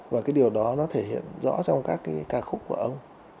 và cái điều đó nó thể hiện rõ trong các cái ca khúc của ông